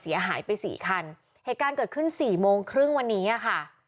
เสียหายไปสี่คันเหตุการณ์เกิดขึ้นสี่โมงครึ่งวันนี้อ่ะค่ะ